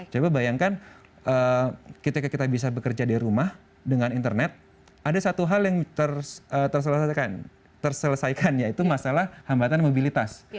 coba bayangkan ketika kita bisa bekerja di rumah dengan internet ada satu hal yang terselesaikan yaitu masalah hambatan mobilitas